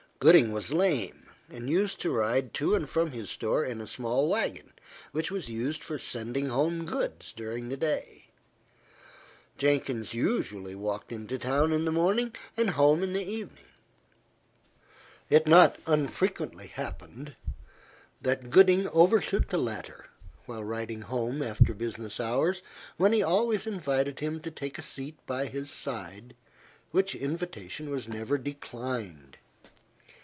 Gooding was lame, and used to ride to and from his store in a small wagon, which was used for sending home goods during the day. Jenkins usually walked into town in the morning, and home in the evening. It not unfrequently happened that Gooding overtook the latter, while riding home after business hours, when he always invited him to take a seat by his side, which invitation was never declined.